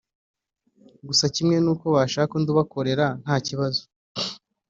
gusa kimwe n’uko bashaka undi ubakorera nta kibazo